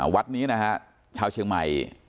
วัดนี้นะฮะชาวเชียงใหม่